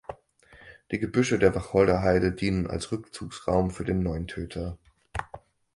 Die Gebüsche der Wacholderheide dienen als Rückzugsraum für den Neuntöter.